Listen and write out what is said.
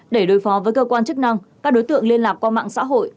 để đối phó với cơ quan chức năng các đối tượng liên lạc qua mạng xã hội